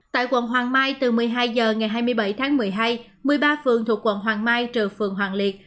tại quận hoàng mai từ một mươi hai h ngày hai mươi bảy tháng một mươi hai một mươi ba phường thuộc quận hoàng mai trừ phường hoàng liệt